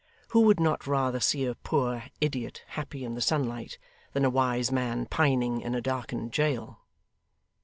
Who would not rather see a poor idiot happy in the sunlight, than a wise man pining in a darkened jail!